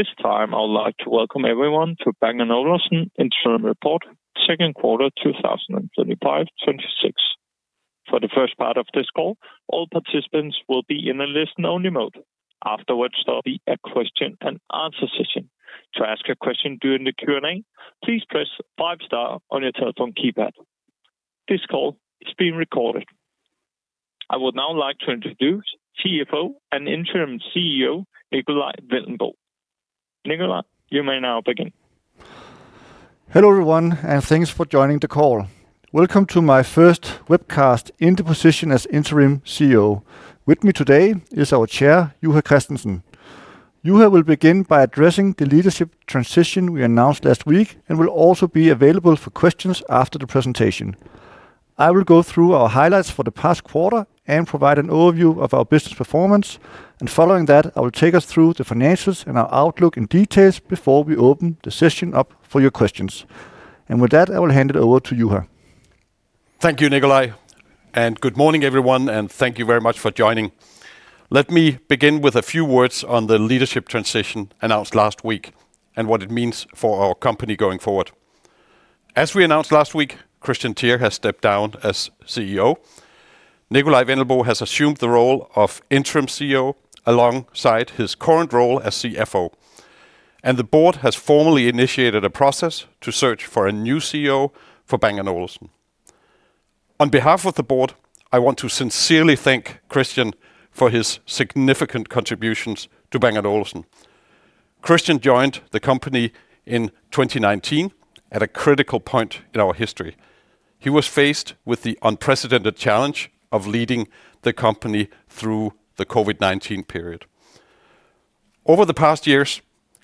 At this time, I would like to welcome everyone to Bang & Olufsen International Report, second quarter 2025-2026. For the first part of this call, all participants will be in a listen-only mode. Afterwards, there will be a question-and-answer session. To ask a question during the Q&A, please press five-star on your telephone keypad. This call is being recorded. I would now like to introduce CFO and Interim CEO, Nikolaj Wendelboe. Nikolaj, you may now begin. Hello everyone, and thanks for joining the call. Welcome to my first webcast in this position as Interim CEO. With me today is our Chair, Juha Christensen. Juha will begin by addressing the leadership transition we announced last week and will also be available for questions after the presentation. I will go through our highlights for the past quarter and provide an overview of our business performance. And following that, I will take us through the financials and our outlook in detail before we open the session up for your questions. And with that, I will hand it over to Juha. Thank you, Nikolaj. And good morning, everyone, and thank you very much for joining. Let me begin with a few words on the leadership transition announced last week and what it means for our company going forward. As we announced last week, Kristian Teär has stepped down as CEO. Nikolaj Wendelboe has assumed the role of Interim CEO alongside his current role as CFO. And the board has formally initiated a process to search for a new CEO for Bang & Olufsen. On behalf of the board, I want to sincerely thank Kristian for his significant contributions to Bang & Olufsen. Kristian joined the company in 2019 at a critical point in our history. He was faced with the unprecedented challenge of leading the company through the COVID-19 period. Over the past years,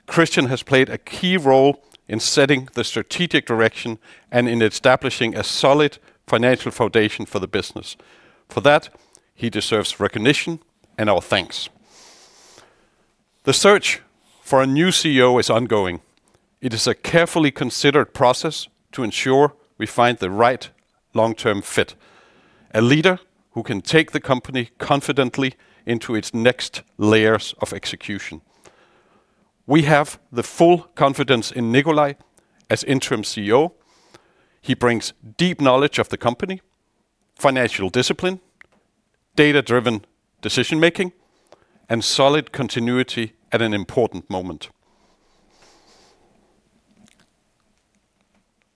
Kristian has played a key role in setting the strategic direction and in establishing a solid financial foundation for the business. For that, he deserves recognition and our thanks. The search for a new CEO is ongoing. It is a carefully considered process to ensure we find the right long-term fit, a leader who can take the company confidently into its next layers of execution. We have the full confidence in Nikolaj as Interim CEO. He brings deep knowledge of the company, financial discipline, data-driven decision-making, and solid continuity at an important moment.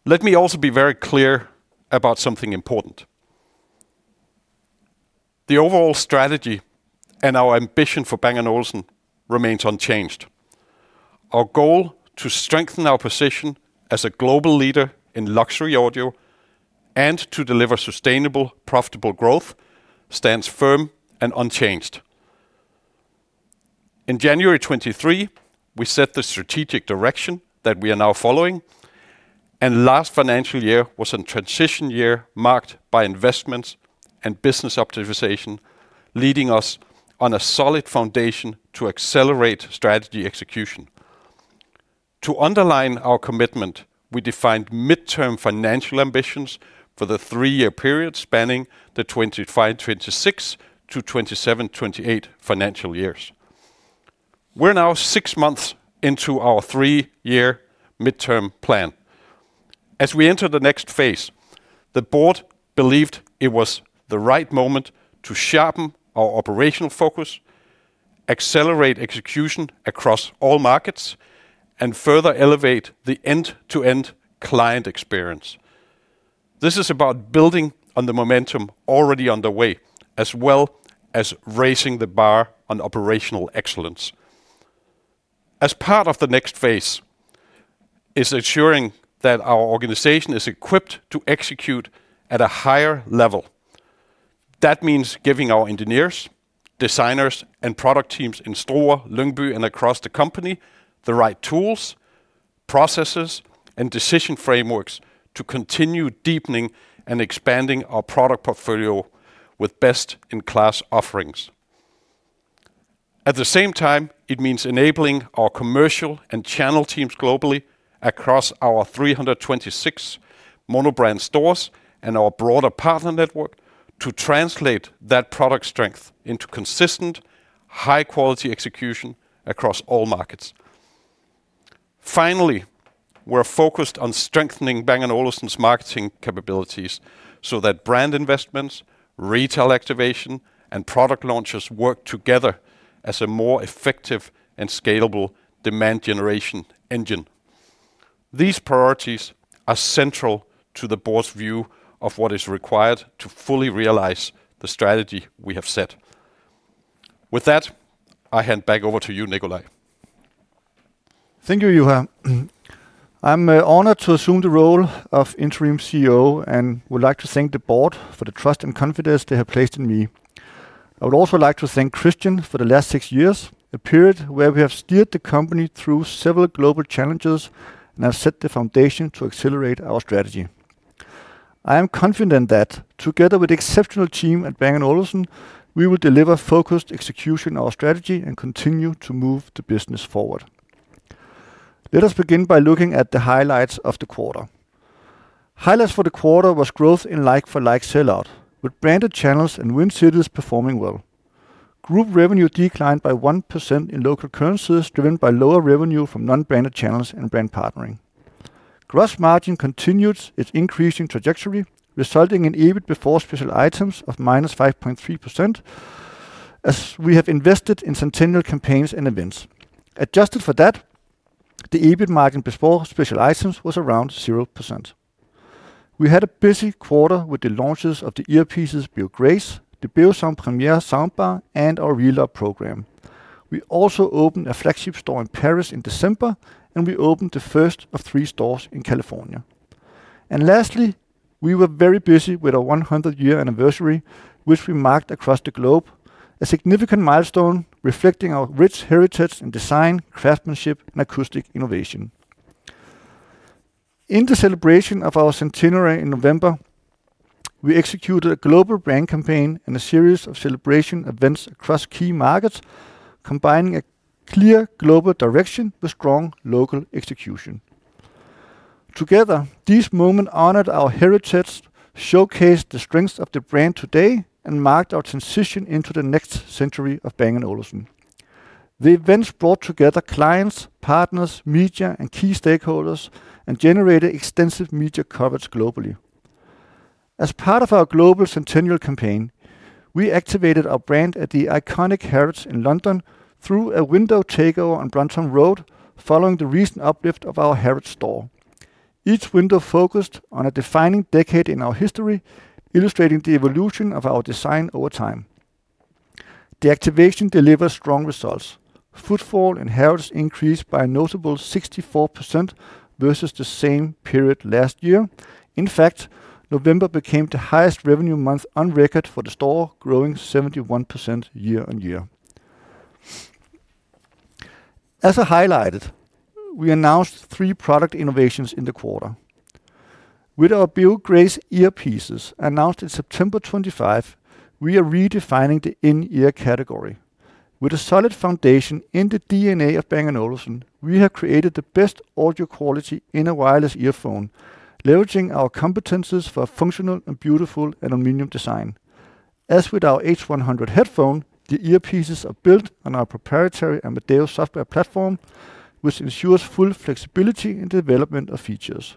Let me also be very clear about something important. The overall strategy and our ambition for Bang & Olufsen remains unchanged. Our goal to strengthen our position as a global leader in luxury audio and to deliver sustainable, profitable growth stands firm and unchanged. In January 2023, we set the strategic direction that we are now following, and last financial year was a transition year marked by investments and business optimization, leading us on a solid foundation to accelerate strategy execution. To underline our commitment, we defined midterm financial ambitions for the three-year period spanning the 2025-26 to 2027-28 financial years. We're now six months into our three-year midterm plan. As we enter the next phase, the board believed it was the right moment to sharpen our operational focus, accelerate execution across all markets, and further elevate the end-to-end client experience. This is about building on the momentum already underway, as well as raising the bar on operational excellence. As part of the next phase is ensuring that our organization is equipped to execute at a higher level. That means giving our engineers, designers, and product teams in Struer, Lyngby, and across the company the right tools, processes, and decision frameworks to continue deepening and expanding our product portfolio with best-in-class offerings. At the same time, it means enabling our commercial and channel teams globally across our 326 monobrand stores and our broader partner network to translate that product strength into consistent, high-quality execution across all markets. Finally, we're focused on strengthening Bang & Olufsen's marketing capabilities so that brand investments, retail activation, and product launches work together as a more effective and scalable demand-generation engine. These priorities are central to the board's view of what is required to fully realize the strategy we have set. With that, I hand back over to you, Nikolaj. Thank you, Juha. I'm honored to assume the role of Interim CEO and would like to thank the board for the trust and confidence they have placed in me. I would also like to thank Kristian for the last six years, a period where we have steered the company through several global challenges and have set the foundation to accelerate our strategy. I am confident that together with the exceptional team at Bang & Olufsen, we will deliver focused execution of our strategy and continue to move the business forward. Let us begin by looking at the highlights of the quarter. Highlights for the quarter were growth in like-for-like sell-out, with branded channels and Win Cities performing well. Group revenue declined by 1% in local currencies, driven by lower revenue from non-branded channels and Brand Partnering. Gross margin continued its increasing trajectory, resulting in EBIT before special items of minus 5.3%, as we have invested in centennial campaigns and events. Adjusted for that, the EBIT margin before special items was around 0%. We had a busy quarter with the launches of the earpieces Beo Grace, the Beosound Premier soundbar, and our Reload program. We also opened a flagship store in Paris in December, and we opened the first of three stores in California. And lastly, we were very busy with our 100-year anniversary, which we marked across the globe, a significant milestone reflecting our rich heritage in design, craftsmanship, and acoustic innovation. In the celebration of our centenary in November, we executed a global brand campaign and a series of celebration events across key markets, combining a clear global direction with strong local execution. Together, these moments honored our heritage, showcased the strength of the brand today, and marked our transition into the next century of Bang & Olufsen. The events brought together clients, partners, media, and key stakeholders and generated extensive media coverage globally. As part of our global centennial campaign, we activated our brand at the iconic Harrods in London through a window takeover on Brompton Road, following the recent uplift of our Harrods store. Each window focused on a defining decade in our history, illustrating the evolution of our design over time. The activation delivered strong results. Footfall in Harrods increased by a notable 64% versus the same period last year. In fact, November became the highest revenue month on record for the store, growing 71% year on year. As I highlighted, we announced three product innovations in the quarter. With our Beo Grace earpieces announced in September 2025, we are redefining the in-ear category. With a solid foundation in the DNA of Bang & Olufsen, we have created the best audio quality in a wireless earphone, leveraging our competencies for a functional and beautiful aluminum design. As with our H100 headphone, the earpieces are built on our proprietary Amadeus software platform, which ensures full flexibility in the development of features.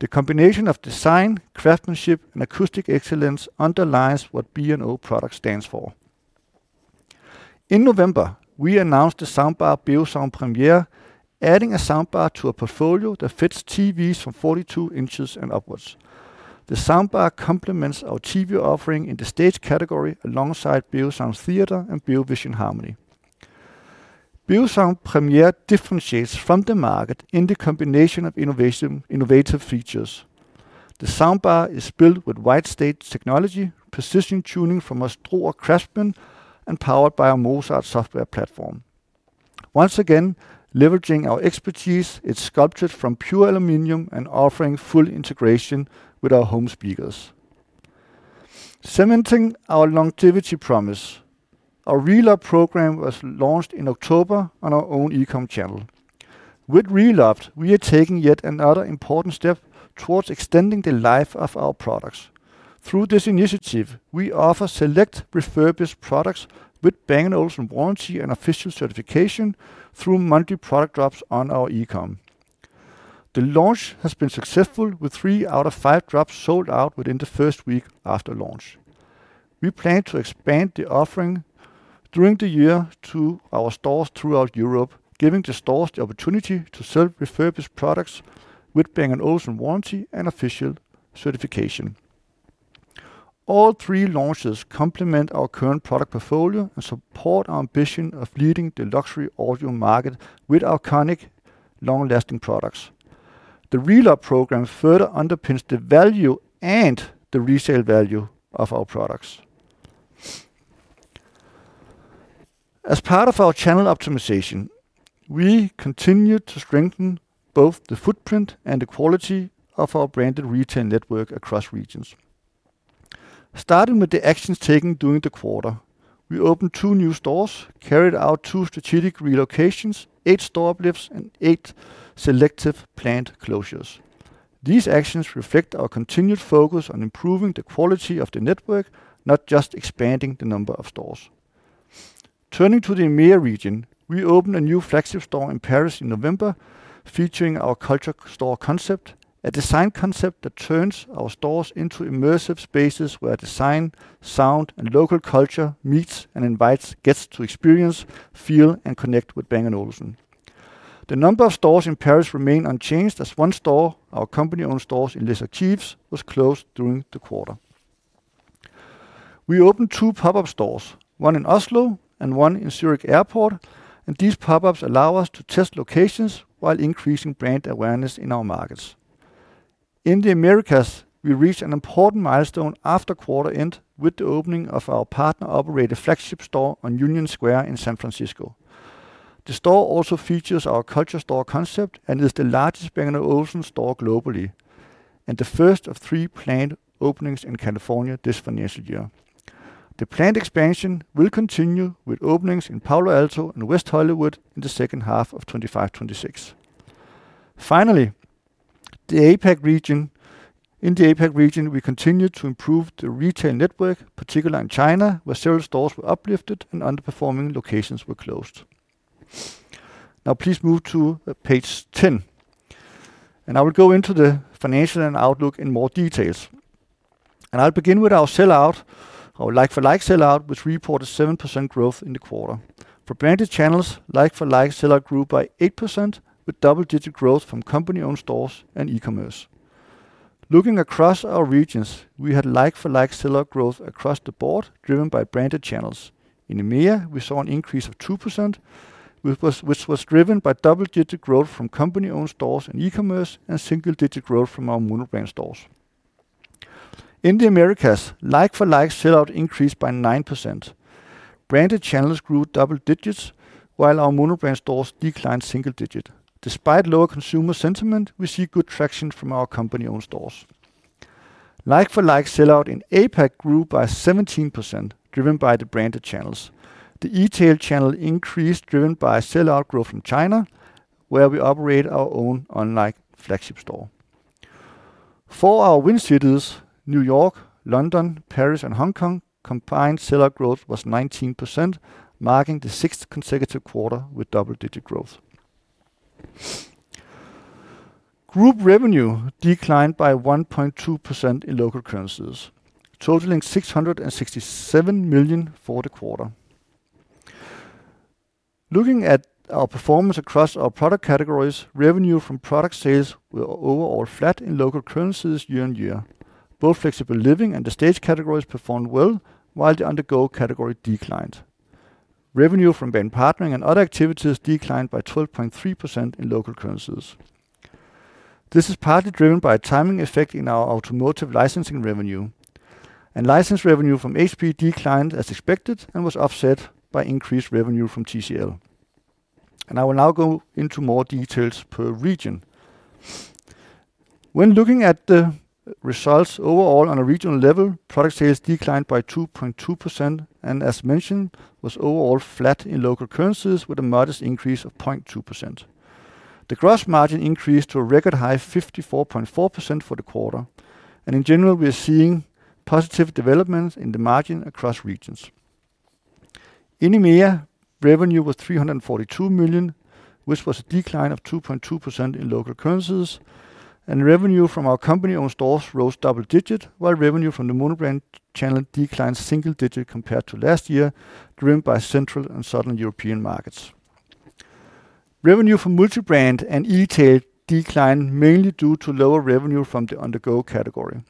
The combination of design, craftsmanship, and acoustic excellence underlines what B&O product stands for. In November, we announced the soundbar Beosound Premier, adding a soundbar to a portfolio that fits TVs from 42 inches and upwards. The soundbar complements our TV offering in the stage category alongside Beosound Theatre and Beovision Harmony. Beosound Premier differentiates from the market in the combination of innovative features. The soundbar is built with wide-stage technology, precision tuning from Struer craftsmen, and powered by our Mozart software platform. Once again, leveraging our expertise, it's sculpted from pure aluminum and offering full integration with our home speakers. Cementing our longevity promise, our Reload program was launched in October on our own e-com channel. With Reload, we are taking yet another important step towards extending the life of our products. Through this initiative, we offer select refurbished products with Bang & Olufsen warranty and official certification through monthly product drops on our e-com. The launch has been successful with three out of five drops sold out within the first week after launch. We plan to expand the offering during the year to our stores throughout Europe, giving the stores the opportunity to sell refurbished products with Bang & Olufsen warranty and official certification. All three launches complement our current product portfolio and support our ambition of leading the luxury audio market with our iconic long-lasting products. The Reload program further underpins the value and the resale value of our products. As part of our channel optimization, we continue to strengthen both the footprint and the quality of our branded retail network across regions. Starting with the actions taken during the quarter, we opened two new stores, carried out two strategic relocations, eight store uplifts, and eight selective plant closures. These actions reflect our continued focus on improving the quality of the network, not just expanding the number of stores. Turning to the EMEA region, we opened a new flagship store in Paris in November, featuring our Culture Store concept, a design concept that turns our stores into immersive spaces where design, sound, and local culture meets and invites guests to experience, feel, and connect with Bang & Olufsen. The number of stores in Paris remained unchanged as one store, our company-owned store in Les Archives, was closed during the quarter. We opened two pop-up stores, one in Oslo and one in Zurich Airport, and these pop-ups allow us to test locations while increasing brand awareness in our markets. In the Americas, we reached an important milestone after quarter end with the opening of our partner-operated flagship store on Union Square in San Francisco. The store also features our Culture Store concept and is the largest Bang & Olufsen store globally, and the first of three planned openings in California this financial year. The planned expansion will continue with openings in Palo Alto and West Hollywood in the second half of 2025-26. Finally, in the APAC region, we continue to improve the retail network, particularly in China, where several stores were uplifted and underperforming locations were closed. Now, please move to page 10, and I will go into the financial and outlook in more detail, and I'll begin with our sellout, our like-for-like sellout, which reported 7% growth in the quarter. For branded channels, like-for-like sellout grew by 8% with double-digit growth from company-owned stores and e-commerce. Looking across our regions, we had like-for-like sellout growth across the board, driven by branded channels. In EMEA, we saw an increase of 2%, which was driven by double-digit growth from company-owned stores and e-commerce and single-digit growth from our monobrand stores. In the Americas, like-for-like sellout increased by 9%. Branded channels grew double digits, while our monobrand stores declined single digit. Despite lower consumer sentiment, we see good traction from our company-owned stores. Like-for-like sellout in APAC grew by 17%, driven by the branded channels. The retail channel increased, driven by sellout growth from China, where we operate our own online flagship store. For our Win Cities, New York, London, Paris, and Hong Kong, combined sellout growth was 19%, marking the sixth consecutive quarter with double-digit growth. Group revenue declined by 1.2% in local currencies, totaling 667 million for the quarter. Looking at our performance across our product categories, revenue from product sales were overall flat in local currencies year on year. Both Flexible Living and the Staged categories performed well, while the On-the-go category declined. Revenue from Brand Partnering and other activities declined by 12.3% in local currencies. This is partly driven by a timing effect in our automotive licensing revenue. And license revenue from HP declined as expected and was offset by increased revenue from TCL. And I will now go into more details per region. When looking at the results overall on a regional level, product sales declined by 2.2% and, as mentioned, was overall flat in local currencies with a modest increase of 0.2%. The gross margin increased to a record high of 54.4% for the quarter. And in general, we are seeing positive developments in the margin across regions. In EMEA, revenue was 342 million, which was a decline of 2.2% in local currencies. Revenue from our company-owned stores rose double-digit, while revenue from the monobrand channel declined single-digit compared to last year, driven by central and southern European markets. Revenue from multi-brand and e-tail declined mainly due to lower revenue from the On-the-go category.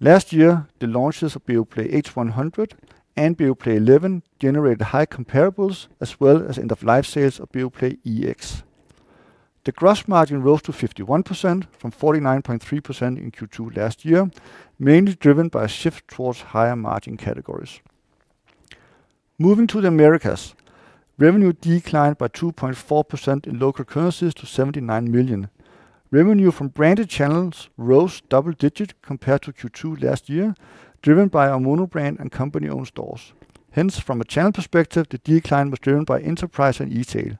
Last year, the launches of Beoplay H100 and Beoplay Eleven generated high comparables, as well as end-of-life sales of Beoplay EX. The gross margin rose to 51% from 49.3% in Q2 last year, mainly driven by a shift towards higher margin categories. Moving to the Americas, revenue declined by 2.4% in local currencies to 79 million. Revenue from branded channels rose double-digit compared to Q2 last year, driven by our monobrand and company-owned stores. Hence, from a channel perspective, the decline was driven by enterprise and e-tail.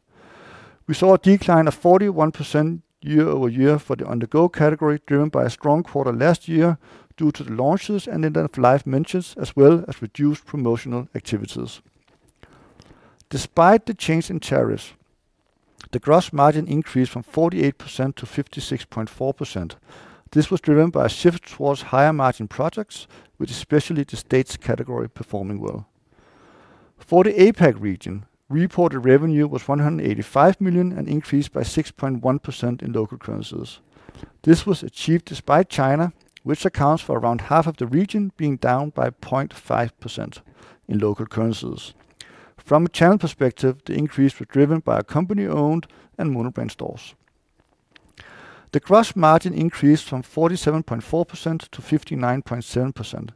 We saw a decline of 41% year over year for the On-the-go category, driven by a strong quarter last year due to the launches and end-of-life mentions, as well as reduced promotional activities. Despite the change in tariffs, the gross margin increased from 48% to 56.4%. This was driven by a shift towards higher margin projects, with especially the Staged category performing well. For the APAC region, reported revenue was 185 million and increased by 6.1% in local currencies. This was achieved despite China, which accounts for around half of the region, being down by 0.5% in local currencies. From a channel perspective, the increase was driven by our company-owned and monobrand stores. The gross margin increased from 47.4% to 59.7%.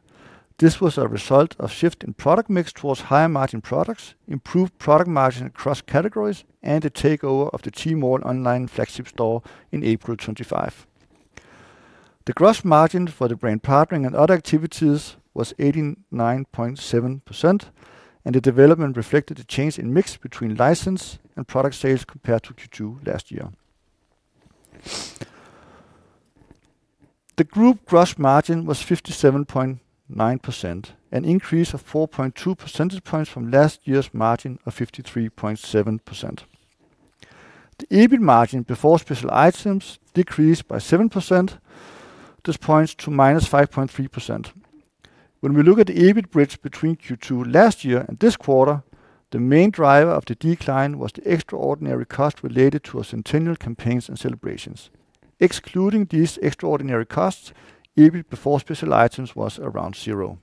This was a result of a shift in product mix towards higher margin products, improved product margin across categories, and the takeover of the Tmall online flagship store in April 2025. The gross margin for the Brand Partnering and other activities was 89.7%, and the development reflected the change in mix between license and product sales compared to Q2 last year. The group gross margin was 57.9%, an increase of 4.2 percentage points from last year's margin of 53.7%. The EBIT margin before special items decreased by 7%. This points to minus 5.3%. When we look at the EBIT bridge between Q2 last year and this quarter, the main driver of the decline was the extraordinary cost related to our centennial campaigns and celebrations. Excluding these extraordinary costs, EBIT before special items was around zero.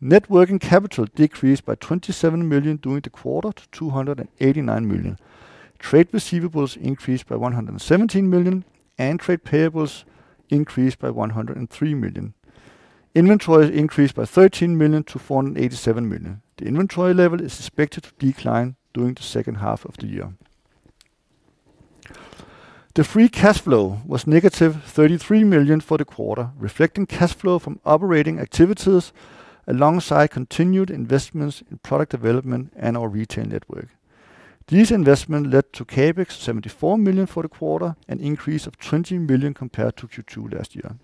Net working capital decreased by 27 million during the quarter to 289 million. Trade receivables increased by 117 million, and trade payables increased by 103 million. Inventory increased by 13 million to 487 million. The inventory level is expected to decline during the second half of the year. The free cash flow was negative 33 million for the quarter, reflecting cash flow from operating activities alongside continued investments in product development and our retail network. These investments led to CapEx of 74 million for the quarter and an increase of 20 million compared to Q2 last year.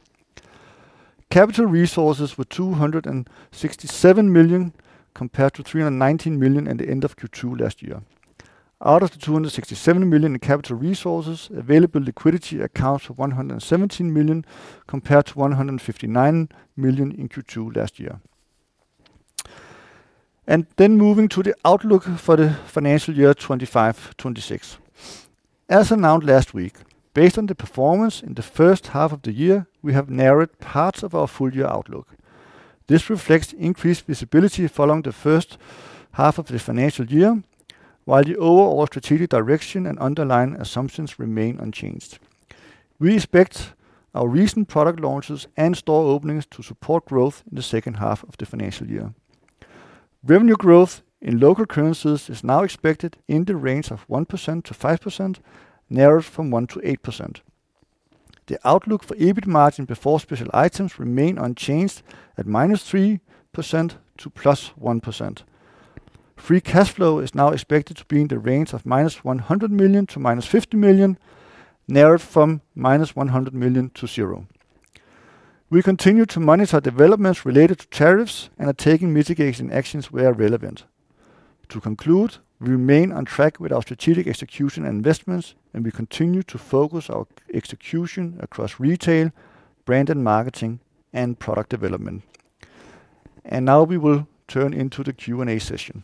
Capital resources were 267 million compared to 319 million at the end of Q2 last year. Out of the 267 million in capital resources, available liquidity accounts for 117 million compared to 159 million in Q2 last year. And then moving to the outlook for the financial year 2025-2026. As announced last week, based on the performance in the first half of the year, we have narrowed parts of our full-year outlook. This reflects increased visibility following the first half of the financial year, while the overall strategic direction and underlying assumptions remain unchanged. We expect our recent product launches and store openings to support growth in the second half of the financial year. Revenue growth in local currencies is now expected in the range of 1%-5%, narrowed from 1%-8%. The outlook for EBIT margin before special items remains unchanged at -3% to +1%. Free cash flow is now expected to be in the range of -100 million to -50 million, narrowed from -100 million to 0. We continue to monitor developments related to tariffs and are taking mitigation actions where relevant. To conclude, we remain on track with our strategic execution and investments, and we continue to focus our execution across retail, branded marketing, and product development, and now we will turn into the Q&A session.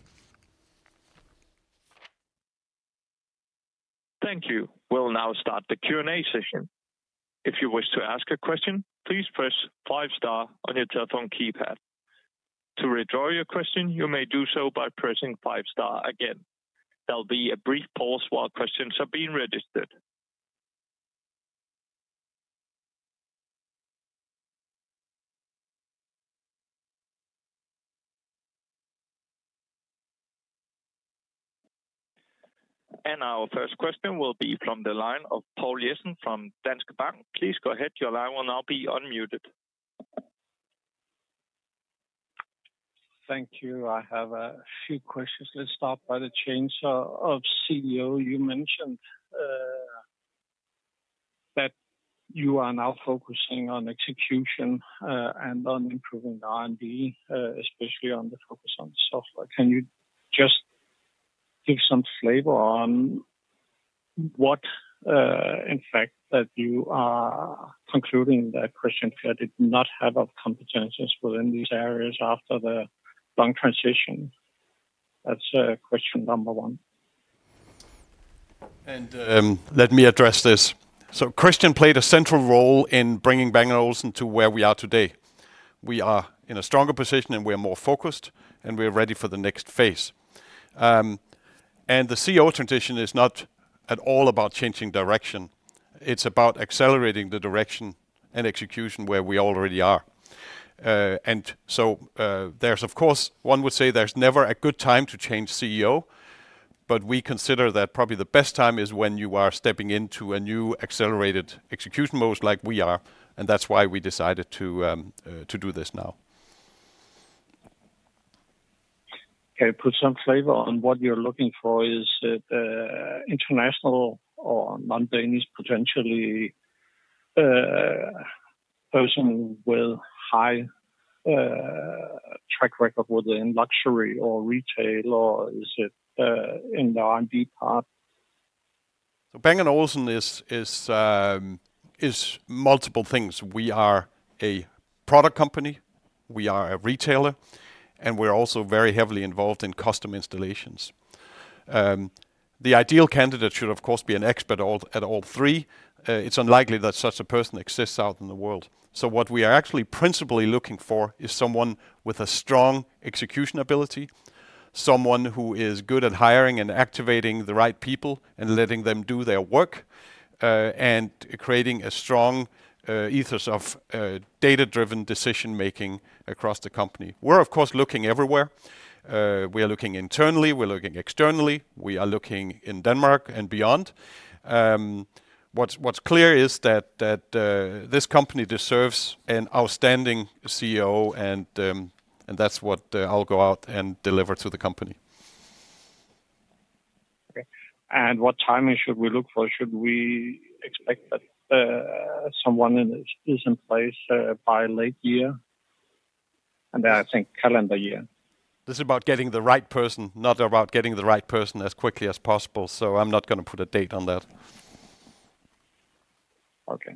Thank you. We'll now start the Q&A session. If you wish to ask a question, please press five-star on your telephone keypad. To withdraw your question, you may do so by pressing five-star again. There'll be a brief pause while questions are being registered. And our first question will be from the line of Poul Jessen from Danske Bank. Please go ahead. Your line will now be unmuted. Thank you. I have a few questions. Let's start by the change of CEO. You mentioned that you are now focusing on execution and on improving R&D, especially on the focus on software. Can you just give some flavor on what, in fact, that you are concluding that Kristian Teär did not have of competencies within these areas after the long transition? That's question number one. And let me address this. So Kristian Teär played a central role in bringing Bang & Olufsen to where we are today. We are in a stronger position, and we are more focused, and we are ready for the next phase. And the CEO transition is not at all about changing direction. It's about accelerating the direction and execution where we already are. And so there's, of course, one would say there's never a good time to change CEO, but we consider that probably the best time is when you are stepping into a new accelerated execution mode like we are, and that's why we decided to do this now. Can you put some flavor on what you're looking for? Is it an international or non-Danish, potentially person with a high track record within luxury or retail, or is it in the R&D part? So Bang & Olufsen is multiple things. We are a product company, we are a retailer, and we're also very heavily involved in custom installations. The ideal candidate should, of course, be an expert at all three. It's unlikely that such a person exists out in the world. So what we are actually principally looking for is someone with a strong execution ability, someone who is good at hiring and activating the right people and letting them do their work, and creating a strong ethos of data-driven decision-making across the company. We're, of course, looking everywhere. We are looking internally, we're looking externally, we are looking in Denmark and beyond. What's clear is that this company deserves an outstanding CEO, and that's what I'll go out and deliver to the company. Okay. And what timing should we look for? Should we expect that someone is in place by late year? And then I think calendar year. This is about getting the right person, not about getting the right person as quickly as possible. I'm not going to put a date on that. Okay.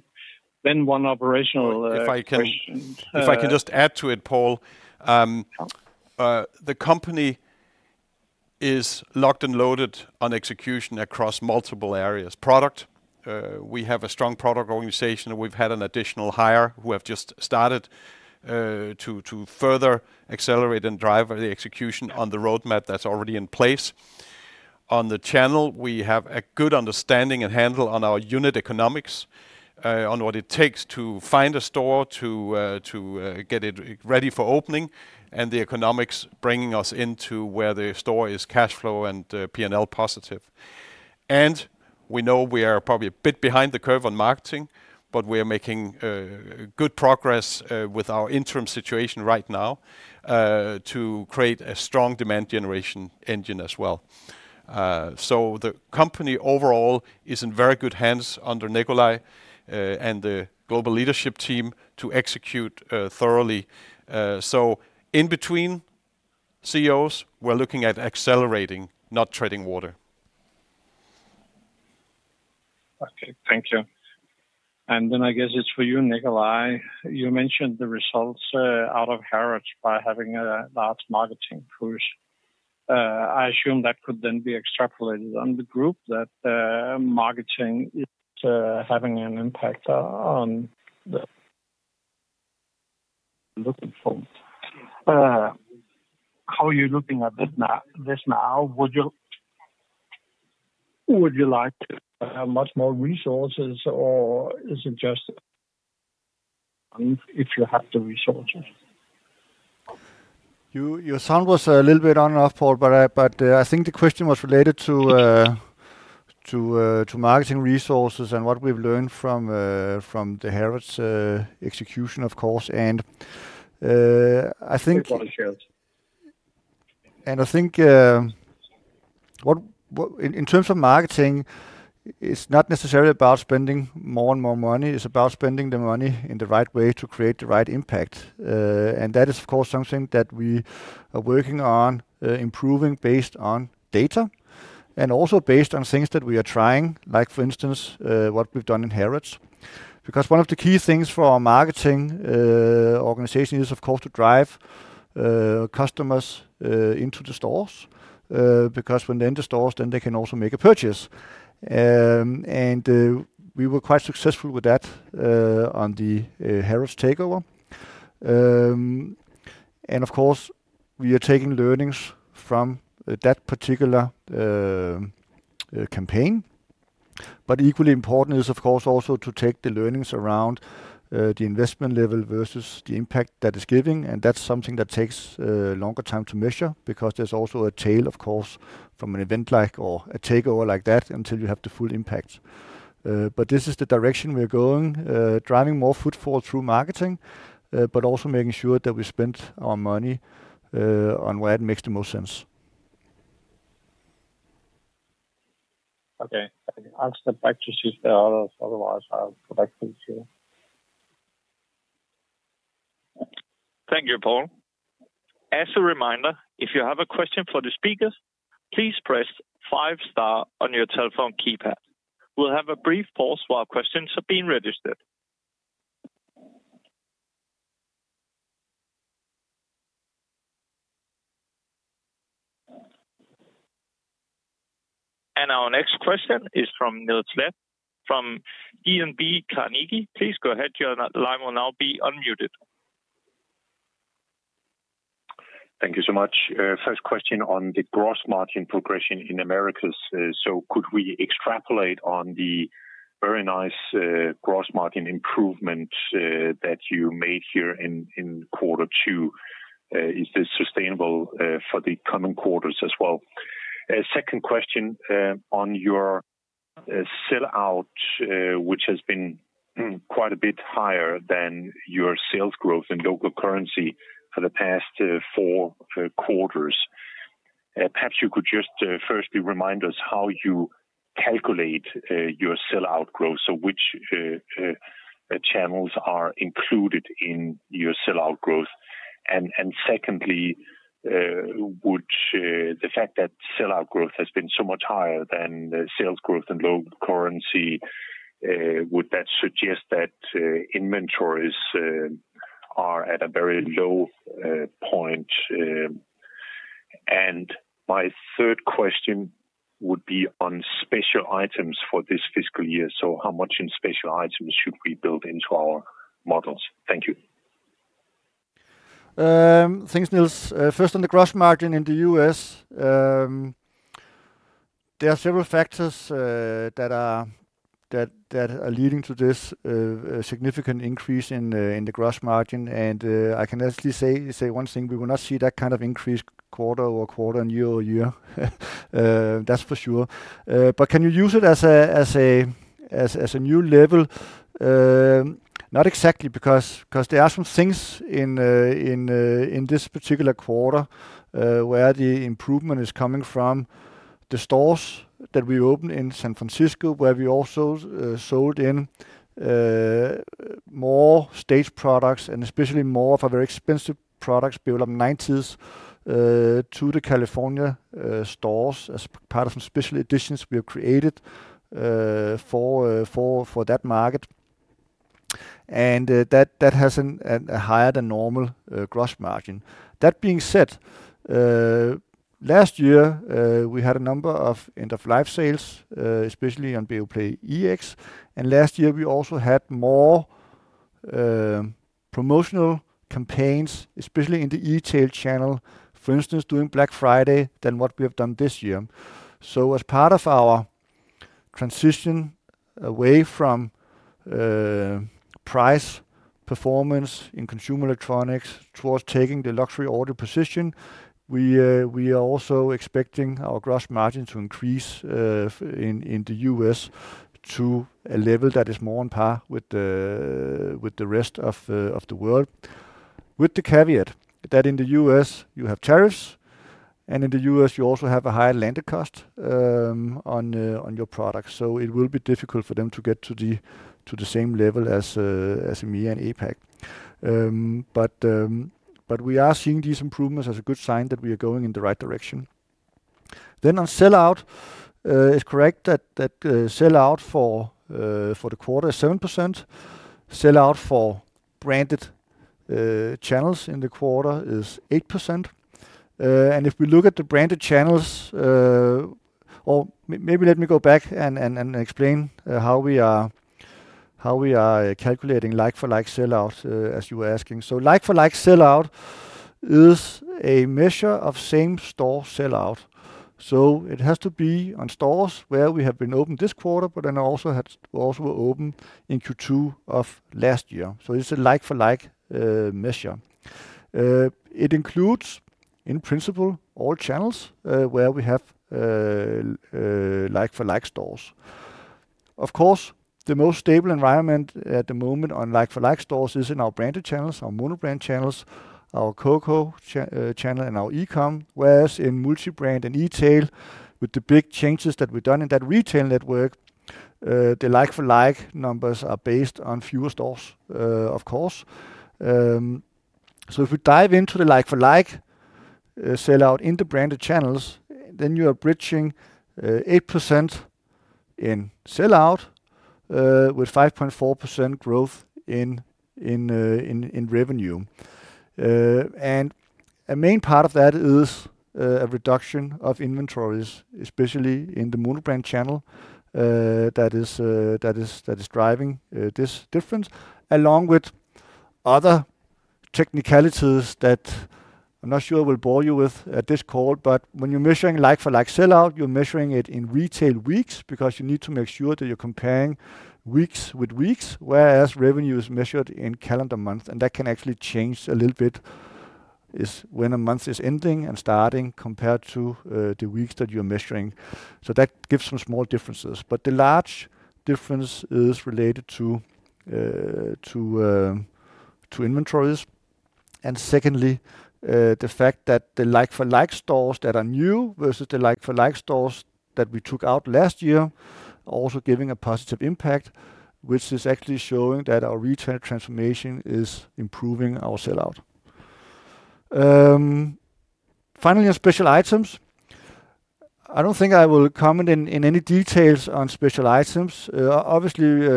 One operational question. If I can just add to it, Poul, the company is locked and loaded on execution across multiple areas. Product, we have a strong product organization. We've had an additional hire who have just started to further accelerate and drive the execution on the roadmap that's already in place. On the channel, we have a good understanding and handle on our unit economics, on what it takes to find a store to get it ready for opening, and the economics bringing us into where the store is cash flow and P&L positive. We know we are probably a bit behind the curve on marketing, but we are making good progress with our interim situation right now to create a strong demand generation engine as well. The company overall is in very good hands under Nikolaj and the global leadership team to execute thoroughly. So in between CEOs, we're looking at accelerating, not treading water. Okay. Thank you. And then I guess it's for you, Nikolaj. You mentioned the results out of Heritage by having a large marketing push. I assume that could then be extrapolated on the group that marketing is having an impact on the looking forward. How are you looking at this now? Would you like to have much more resources, or is it just if you have the resources? Your sound was a little bit on and off, Poul, but I think the question was related to marketing resources and what we've learned from the Heritage execution, of course. And I think in terms of marketing, it's not necessarily about spending more and more money. It's about spending the money in the right way to create the right impact, and that is, of course, something that we are working on improving based on data and also based on things that we are trying, like for instance, what we've done in heritage, because one of the key things for our marketing organization is, of course, to drive customers into the stores because when they're in the stores, then they can also make a purchase, and we were quite successful with that on the heritage takeover, and of course, we are taking learnings from that particular campaign, but equally important is, of course, also to take the learnings around the investment level versus the impact that it's giving. And that's something that takes a longer time to measure because there's also a tail, of course, from an event like or a takeover like that until you have the full impact. But this is the direction we're going, driving more footfall through marketing, but also making sure that we spend our money on where it makes the most sense. Okay. I'll step back to see if there are others. Otherwise, I'll go back to the Q. Thank you, Poul. As a reminder, if you have a question for the speakers, please press five-star on your telephone keypad. We'll have a brief pause while questions are being registered. And our next question is from Niels Leth from Carnegie Investment Bank. Please go ahead. Your line will now be unmuted. Thank you so much. First question on the gross margin progression in Americas. So could we extrapolate on the very nice gross margin improvement that you made here in quarter two? Is this sustainable for the coming quarters as well? Second question on your sell-out, which has been quite a bit higher than your sales growth in local currency for the past four quarters. Perhaps you could just firstly remind us how you calculate your sell-out growth. So which channels are included in your sell-out growth? And secondly, would the fact that sell-out growth has been so much higher than sales growth in local currency, would that suggest that inventories are at a very low point? And my third question would be on special items for this fiscal year. So how much in special items should we build into our models? Thank you. Thanks, Niels. First, on the gross margin in the U.S., there are several factors that are leading to this significant increase in the gross margin. And I can actually say one thing. We will not see that kind of increase quarter over quarter and year over year. That's for sure. But can you use it as a new level? Not exactly because there are some things in this particular quarter where the improvement is coming from the stores that we opened in San Francisco, where we also sold in more Staged products and especially more of our very expensive products Beolab 90s to the California stores as part of some special editions we have created for that market. And that has a higher than normal gross margin. That being said, last year, we had a number of end-of-life sales, especially on Beoplay EX. And last year, we also had more promotional campaigns, especially in the retail channel, for instance, during Black Friday than what we have done this year. So as part of our transition away from price performance in consumer electronics towards taking the luxury order position, we are also expecting our gross margin to increase in the U.S. to a level that is more on par with the rest of the world, with the caveat that in the U.S., you have tariffs, and in the U.S., you also have a higher landed cost on your products. So it will be difficult for them to get to the same level as EMEA and APAC. But we are seeing these improvements as a good sign that we are going in the right direction. Then on sell-out, it's correct that sell-out for the quarter is 7%. Sell-out for branded channels in the quarter is 8%, and if we look at the branded channels, or maybe let me go back and explain how we are calculating like-for-like sell-out, as you were asking, so like-for-like sell-out is a measure of same-store sell-out, so it has to be on stores where we have been opened this quarter, but then also opened in Q2 of last year, so it's a like-for-like measure. It includes, in principle, all channels where we have like-for-like stores. Of course, the most stable environment at the moment on like-for-like stores is in our branded channels, our monobrand channels, our COCO channel, and our e-comm, whereas in multi-brand and retail, with the big changes that we've done in that retail network, the like-for-like numbers are based on fewer stores, of course. So if we dive into the like-for-like sell-out in the branded channels, then you are bridging 8% in sell-out with 5.4% growth in revenue. And a main part of that is a reduction of inventories, especially in the monobrand channel that is driving this difference, along with other technicalities that I'm not sure I will bore you with at this call. But when you're measuring like-for-like sell-out, you're measuring it in retail weeks because you need to make sure that you're comparing weeks with weeks, whereas revenue is measured in calendar months. And that can actually change a little bit when a month is ending and starting compared to the weeks that you're measuring. So that gives some small differences. But the large difference is related to inventories. Secondly, the fact that the like-for-like stores that are new versus the like-for-like stores that we took out last year are also giving a positive impact, which is actually showing that our retail transformation is improving our sell-out. Finally, on special items, I don't think I will comment in any details on special items. Obviously,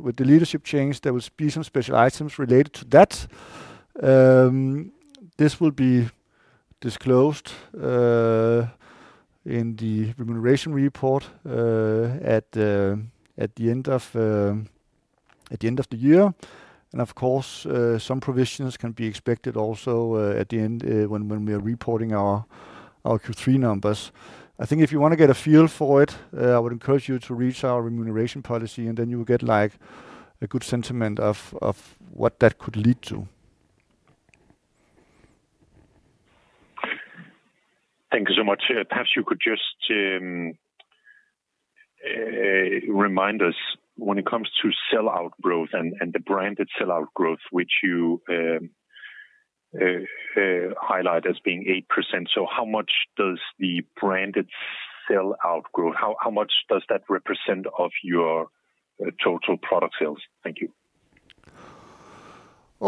with the leadership change, there will be some special items related to that. This will be disclosed in the remuneration report at the end of the year. And of course, some provisions can be expected also at the end when we are reporting our Q3 numbers. I think if you want to get a feel for it, I would encourage you to read our remuneration policy, and then you will get a good sense of what that could lead to. Thank you so much. Perhaps you could just remind us when it comes to sell-out growth and the branded sell-out growth, which you highlight as being 8%. So how much does the branded sell-out grow? How much does that represent of your total product sales? Thank you.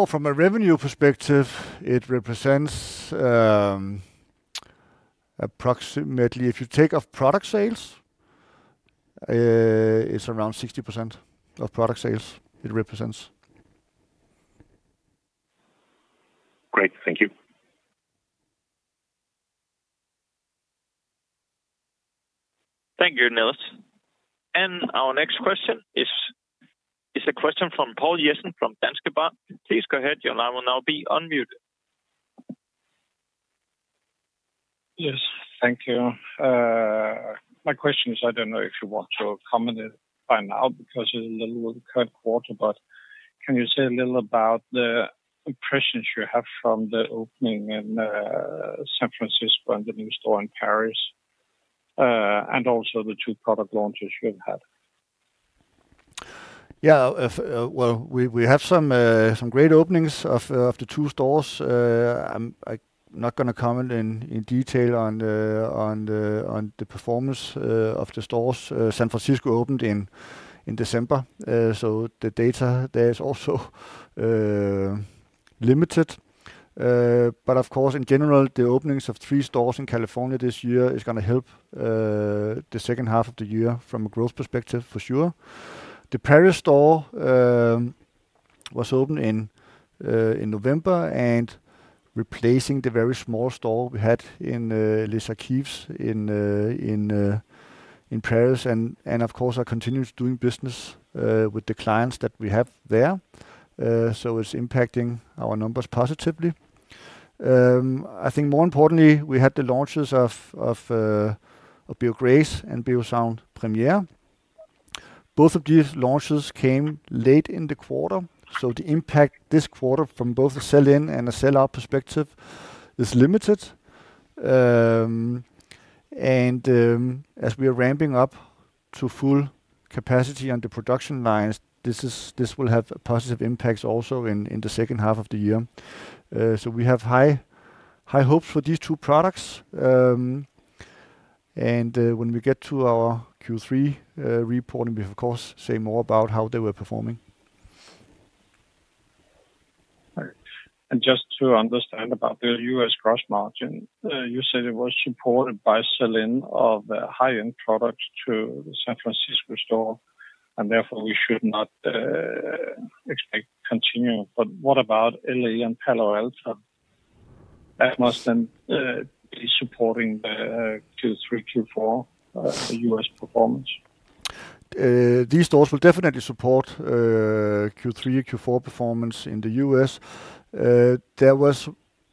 From a revenue perspective, it represents approximately if you take off product sales, it's around 60% of product sales it represents. Great. Thank you. Thank you, Niels. Our next question is a question from Poul Jessen from Danske Bank. Please go ahead. Your line will now be unmuted. Yes. Thank you. My question is, I don't know if you want to comment it right now because it's a little current quarter, but can you say a little about the impressions you have from the opening in San Francisco and the new store in Paris and also the two product launches you've had? Yeah. We have some great openings of the two stores. I'm not going to comment in detail on the performance of the stores. San Francisco opened in December, so the data there is also limited. Of course, in general, the openings of three stores in California this year is going to help the second half of the year from a growth perspective, for sure. The Paris store was opened in November and replacing the very small store we had in Les Archives in Paris. Of course, I continued doing business with the clients that we have there. It's impacting our numbers positively. I think more importantly, we had the launches of Beo Grace and Beosound Premier. Both of these launches came late in the quarter. The impact this quarter from both a sell-in and a sell-out perspective is limited. As we are ramping up to full capacity on the production lines, this will have a positive impact also in the second half of the year. We have high hopes for these two products. When we get to our Q3 report, we will, of course, say more about how they were performing. Just to understand about the US gross margin, you said it was supported by sell-in of high-end products to the San Francisco store, and therefore we should not expect continuing. What about LA and Palo Alto? That must then be supporting the Q3, Q4 US performance. These stores will definitely support Q3, Q4 performance in the US. There was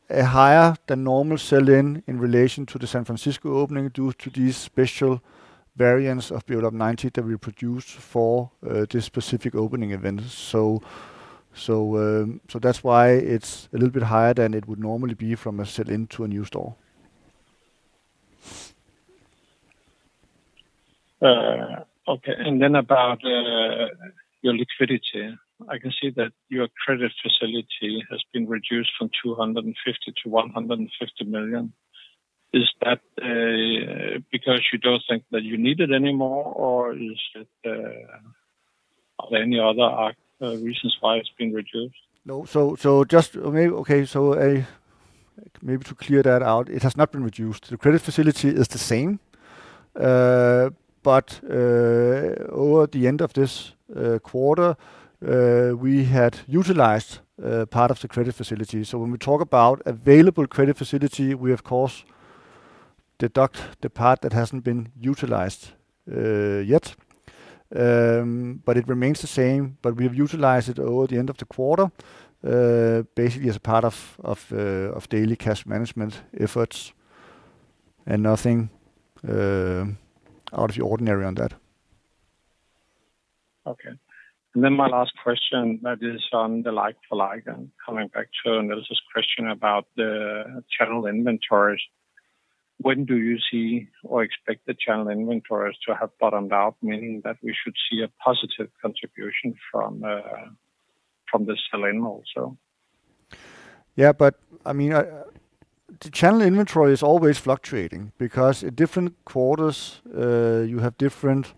a higher than normal sell-in in relation to the San Francisco opening due to these special variants of Beolab 90 that we produced for this specific opening event. So that's why it's a little bit higher than it would normally be from a sell-in to a new store. Okay. And then about your liquidity. I can see that your credit facility has been reduced from 250 million to 150 million. Is that because you don't think that you need it anymore, or are there any other reasons why it's been reduced? No. So just okay. So maybe to clear that out, it has not been reduced. The credit facility is the same. But over the end of this quarter, we had utilized part of the credit facility. So when we talk about available credit facility, we, of course, deduct the part that hasn't been utilized yet. But it remains the same. But we have utilized it over the end of the quarter, basically as a part of daily cash management efforts and nothing out of the ordinary on that. Okay. And then my last question, that is on the like-for-like, and coming back to Niels' question about the channel inventories. When do you see or expect the channel inventories to have bottomed out, meaning that we should see a positive contribution from the sell-in also? Yeah. But I mean, the channel inventory is always fluctuating because in different quarters, you have different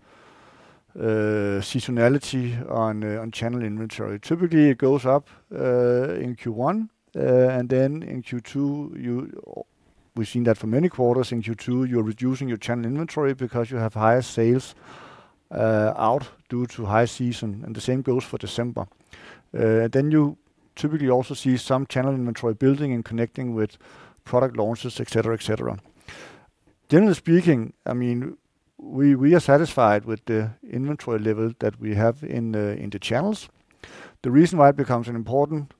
seasonality on channel inventory. Typically, it goes up in Q1. And then in Q2, we've seen that for many quarters. In Q2, you're reducing your channel inventory because you have higher sales out due to high season. And the same goes for December. And then you typically also see some channel inventory building and connecting with product launches, etc., etc. Generally speaking, I mean, we are satisfied with the inventory level that we have in the channels. The reason why it becomes an important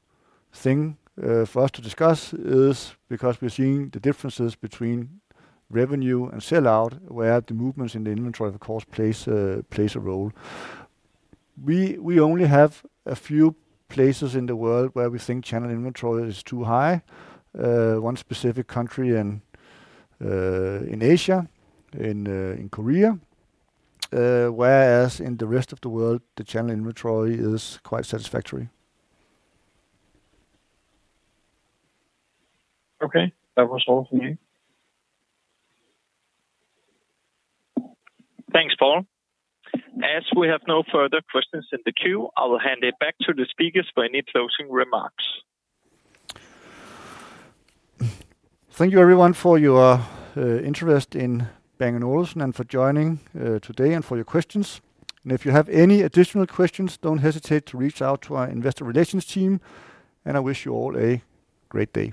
thing for us to discuss is because we're seeing the differences between revenue and sell-out, where the movements in the inventory, of course, play a role. We only have a few places in the world where we think channel inventory is too high, one specific country in Asia, in Korea, whereas in the rest of the world, the channel inventory is quite satisfactory. Okay. That was all for me. Thanks, Poul. As we have no further questions in the queue, I will hand it back to the speakers for any closing remarks. Thank you, everyone, for your interest in Bang & Olufsen and for joining today and for your questions, and if you have any additional questions, don't hesitate to reach out to our investor relations team, and I wish you all a great day.